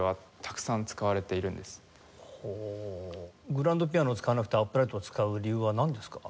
グランドピアノを使わなくてアップライトを使う理由はなんですか？